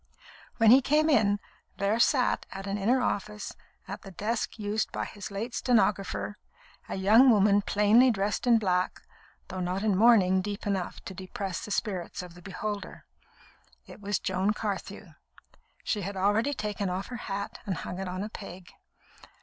When he came in, there sat at an inner office, at the desk used by his late stenographer, a young woman plainly dressed in black, though not in mourning deep enough to depress the spirits of the beholder. It was Joan Carthew. She had already taken off her hat and hung it on a peg.